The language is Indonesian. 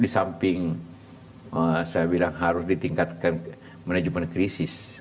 di samping saya bilang harus ditingkatkan manajemen krisis